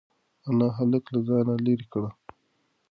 انا هلک له ځانه لرې کړ.